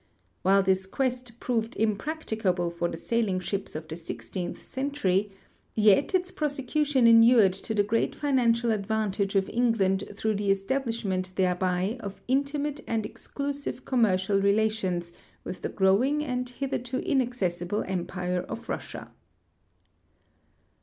While this quest j)roved impracticable for the sailing ships of the sixteenth century, yet its prosecution inured to the great financial advantage of England through the estah 34 SCOPE AND VALUE OF ARCTIC EXPLORATIONS lishmenttliereby of intimate and exclusive commercial relations with the growing and hitherto inaccessible empire of Russia.